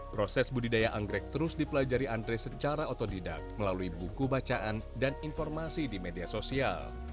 proses budidaya anggrek terus dipelajari andre secara otodidak melalui buku bacaan dan informasi di media sosial